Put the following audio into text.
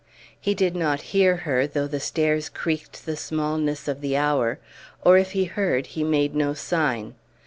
He did not hear her, though the stairs creaked the smallness of the hour or if he heard he made no sign.